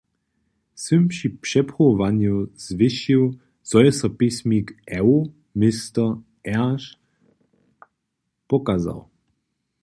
Sym při přepruwowanju zwěsćił, zo je so pismik „ł“ město “ř“ pokazał.